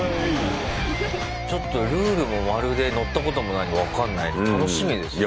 ちょっとルールもまるで乗ったこともないんで分かんないんで楽しみですね。